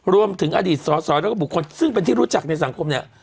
รวมถึงอดีตสอสอแล้วก็บุคคลซึ่งเป็นที่รู้จักในสังคมเนี่ย